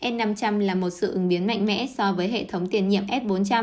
s năm trăm linh là một sự ứng biến mạnh mẽ so với hệ thống tiền nhiệm s bốn trăm linh